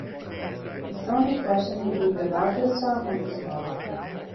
It's only a question between the larger sum and the smaller.